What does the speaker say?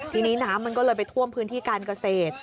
ทีนี้น้ำมันก็เลยไปท่วมพื้นที่การเกษตร